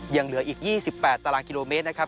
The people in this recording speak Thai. ยังเหลืออีก๒๘ตารางกิโลเมตรนะครับ